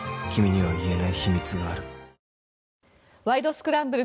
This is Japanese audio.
スクランブル」